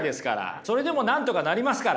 それでもなんとかなりますから。